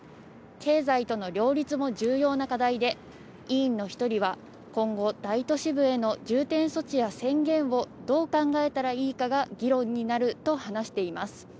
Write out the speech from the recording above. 経済との両立も重要な課題で、委員の一人は今後、大都市部への重点措置や宣言をどう考えたらいいかが議論になると話しています。